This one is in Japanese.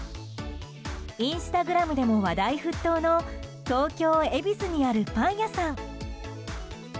インスタグラムでも話題沸騰の東京・恵比寿にあるパン屋さん。